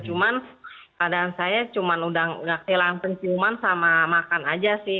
cuman keadaan saya cuma udah gak kehilangan penciuman sama makan aja sih